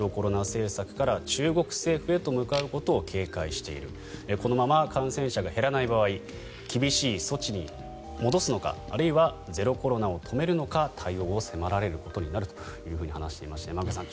政策から中国政府へと向かうことを警戒しているこのまま感染者が減らない場合厳しい措置に戻すのかあるいはゼロコロナを止めるのか対応を迫られることになると話していまして山口さん